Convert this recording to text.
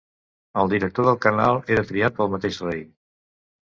El director del canal era triat pel mateix rei.